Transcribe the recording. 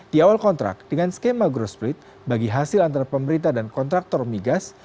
di awal kontrak dengan skema growt split bagi hasil antara pemerintah dan kontraktor migas